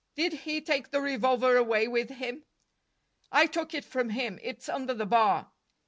Did he take the revolver away with him?" "I took it from him. It's under the bar."